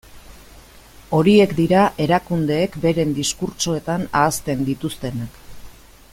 Horiek dira erakundeek beren diskurtsoetan ahazten dituztenak.